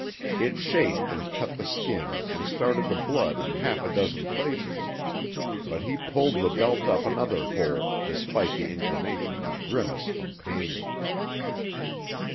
It chafed and cut the skin and started the blood in half a dozen places, but he pulled the belt up another hole despite the inclination to grimace from pain.